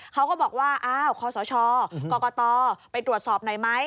เขาก็บอกว่าอ้าวคศกรกตไปตรวจสอบหน่อยไหม